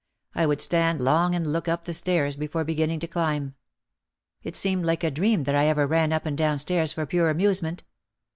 I would stand long and look up the stairs before beginning to climb. It seemed like a dream that I ever ran up and down stairs for pure amusement.